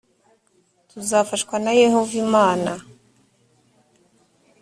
tuzafashwa na yehova imana